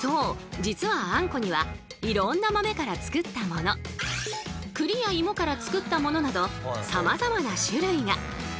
実はあんこにはいろんな豆から作ったもの栗やいもから作ったものなどさまざまな種類が。